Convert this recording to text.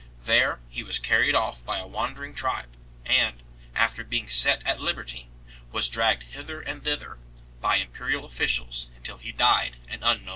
There he was carried off by a wandering tribe, and, after being set at liberty, was dragged hither and thither by imperial officials until he died an unknown death 5